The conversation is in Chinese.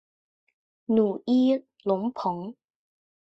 努伊隆蓬。